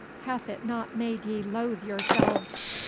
Hath it not made ye loathe yourselves?